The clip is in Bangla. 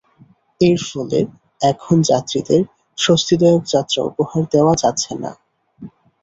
এর ফলে এখন যাত্রীদের স্বস্তিদায়ক যাত্রা উপহার দেওয়া যাচ্ছে না।